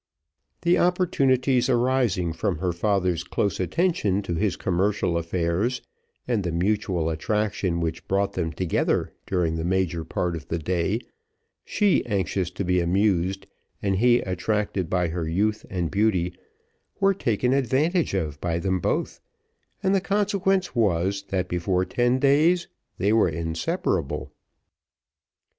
The opportunities arising from her father's close attention to his commercial affairs, and the mutual attraction which brought them together during the major part of the day, she, anxious to be amused, and he attracted by her youth and beauty, were taken advantage of by them both, and the consequence was that, before ten days, they were inseparable.